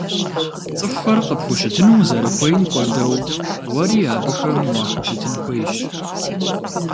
Цӏыхухэр къыпхущытыну узэрыхуейм хуэдэу, уэри абыхэм уахущытын хуейщ.